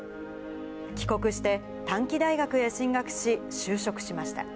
帰国して短期大学へ進学し、就職しました。